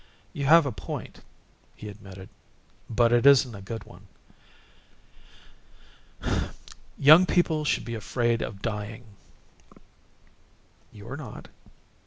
"You have a point," he admitted, "but it isn't a good one. Young people should be afraid of dying." "You're not."